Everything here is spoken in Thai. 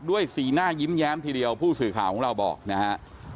สีหน้ายิ้มแย้มทีเดียวผู้สื่อข่าวของเราบอกนะฮะ